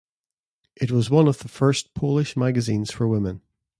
It was one of the first Polish magazines for women.